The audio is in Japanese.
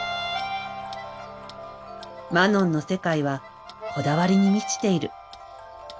マノンの世界はこだわりに満ちている。